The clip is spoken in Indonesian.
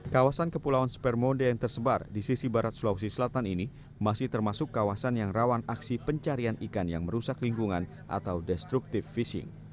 kawasan kepulauan spermode yang tersebar di sisi barat sulawesi selatan ini masih termasuk kawasan yang rawan aksi pencarian ikan yang merusak lingkungan atau destructive fishing